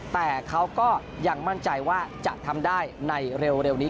แต่เขาก็ยังมั่นใจว่าจะทำได้ในเร็วนี้